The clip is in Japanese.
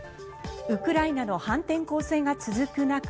ウクライナの反転攻勢が続く中